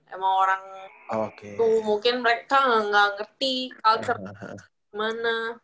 emang orang itu mungkin mereka gak ngerti culture mana